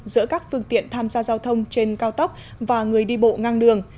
giữa các phương tiện tham gia giao thông trên cao tốc và người đi bộ ngang đường